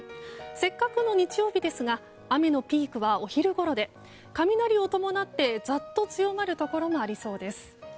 せっかくの日曜ですが雨のピークはお昼ごろで雷を伴ってざっと強まるところがありそうです。